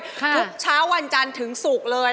ทุกเช้าวันจันทร์ถึงศุกร์เลย